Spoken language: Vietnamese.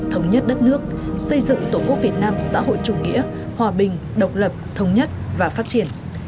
thống nhất đất nước xây dựng tổ quốc việt nam xã hội chủ nghĩa hòa bình độc lập thống nhất và phát triển